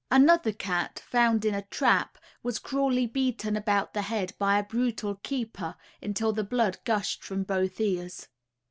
Another cat, found in a trap, was cruelly beaten about the head by a brutal keeper, until the blood gushed from both ears.